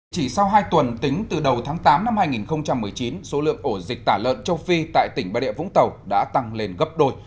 chỉ sau hai tuần tính từ đầu tháng tám năm hai nghìn một mươi chín số lượng ổ dịch tả lợn châu phi tại tỉnh bà địa vũng tàu đã tăng lên gấp đôi